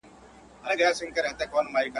که نه څنګه دي زده کړې دا خبري.